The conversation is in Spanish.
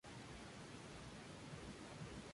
Aquellos moldes fueron usados hasta el final.